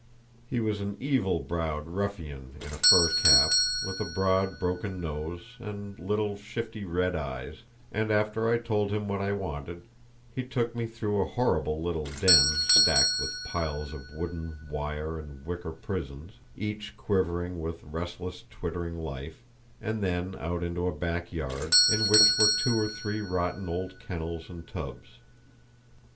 He was an evil browed ruffian in a fur cap, with a broad broken nose and little shifty red eyes; and after I had told him what I wanted he took me through a horrible little den, stacked with piles of wooden, wire, and wicker prisons, each quivering with restless, twittering life, and then out into a back yard, in which were two or three rotten old kennels and tubs.